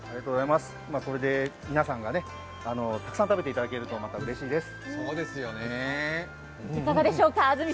これで皆さんにたくさん食べていただけるとまた嬉しいです。